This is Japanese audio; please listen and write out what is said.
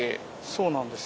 そうなんですよね。